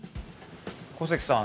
小関さん